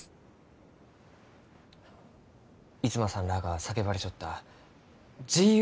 逸馬さんらあが叫ばれちょった「自由」